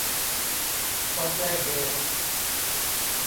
ต้องแจ้งเหตุ